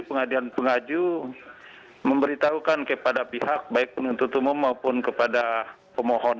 pengadilan pengaju memberitahukan kepada pihak baik penuntut umum maupun kepada pemohon